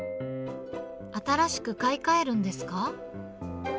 新しく買い替えるんですか？